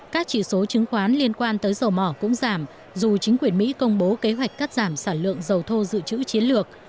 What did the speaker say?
các chỉ số chứng khoán liên quan tới dầu mỏ cũng giảm dù chính quyền mỹ công bố kế hoạch cắt giảm sản lượng dầu thô dự trữ chiến lược